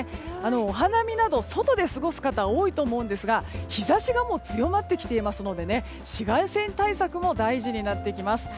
お花見など、外で過ごす方も多いと思いますが日差しがもう強まってきていますので紫外線対策も大事になってきます。